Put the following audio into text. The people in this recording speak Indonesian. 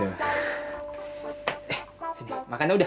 eh sini makannya udah